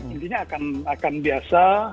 intinya akan biasa